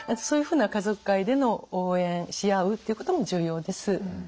そういうふうな家族会での応援し合うっていうことも重要です。